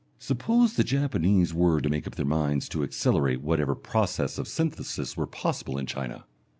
Suppose the Japanese were to make up their minds to accelerate whatever process of synthesis were possible in China!